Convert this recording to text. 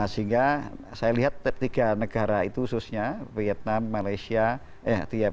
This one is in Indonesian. sehingga saya lihat ketiga negara itu khususnya vietnam malaysia indonesia indonesia